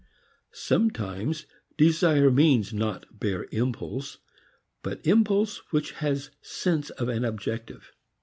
Sometimes desire means not bare impulse but impulse which has sense of an objective.